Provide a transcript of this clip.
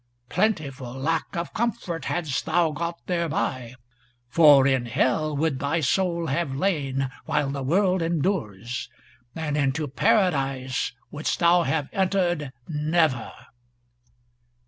Plentiful lack of comfort hadst thou got thereby, for in Hell would thy soul have lain while the world endures, and into Paradise wouldst thou have entered never."